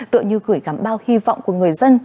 tựa như gửi gắm bao hy vọng của người dân